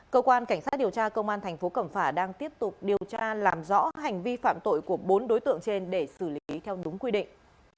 cơ quan cảnh sát điều tra công an thành phố cẩm phả đang tiếp tục điều tra làm rõ hành vi phạm tội của bốn đối tượng trên để xử lý theo đúng quy định